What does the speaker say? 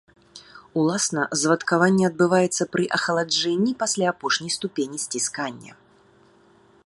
Уласна звадкаванне адбываецца пры ахаладжэнні пасля апошняй ступені сціскання.